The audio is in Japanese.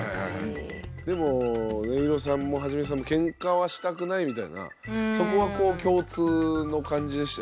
でもねいろさんもはちみつさんもケンカはしたくないみたいなそこは共通の感じでしたよね。